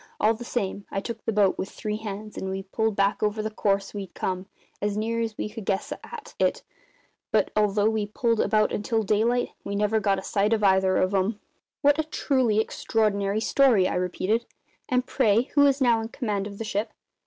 All the same, I took the boat, with three hands, and we pulled back over the course we'd come; as near as we could guess at it; but although we pulled about until daylight. We never got a sight of either of 'em." "What a truly extraordinary story!" I repeated. "And, pray, who is now in command of the ship?"